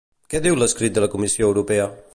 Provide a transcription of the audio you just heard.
Què diu l'escrit de la Comissió Europea?